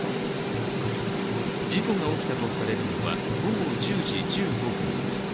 事故が起きたとされるのは午後１０時１５分。